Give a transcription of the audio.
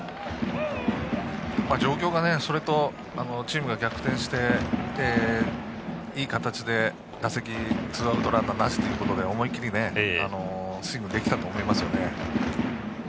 状況がそれとチームが逆転してツーアウトランナーなしということで、いい形で思い切りスイングできたと思います。